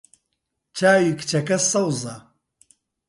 چاوی کچەکە سەوزە.